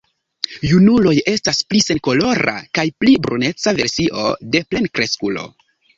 Junuloj estas pli senkolora kaj pli bruneca versio de plenkreskulo.